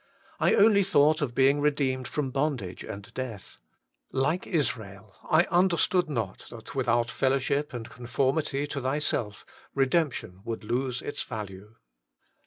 I only thought of being redeemed from bondage and death : like Israel, I understood not that without fellowship and conformity to Thyself redemption would lose its value.